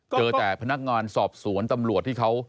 เจอแต่พนักงานสอบสวนตำรวจที่เขา